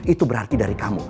itu berarti dari kamu